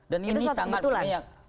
dan ini sangat banyak